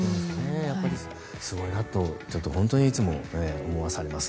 すごいなと本当にいつも思わされます。